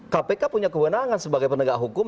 kpk punya kebenangan sebagai penegakan hukum